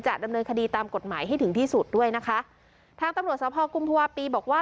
ดำเนินคดีตามกฎหมายให้ถึงที่สุดด้วยนะคะทางตำรวจสภกุมภาวะปีบอกว่า